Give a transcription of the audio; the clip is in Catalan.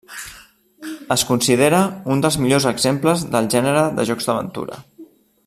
Es considera un dels millors exemples del gènere de jocs d’aventura.